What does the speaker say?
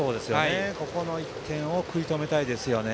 ここの１点を食い止めたいですよね。